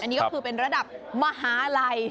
อันนี้ก็คือเป็นระดับมหาลัย